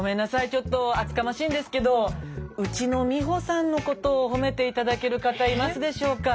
ちょっと厚かましいんですけどうちの美穂さんのことをほめていただける方いますでしょうか？